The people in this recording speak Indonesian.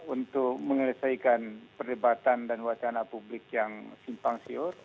untuk menyelesaikan perdebatan dan wacana publik yang simpang siur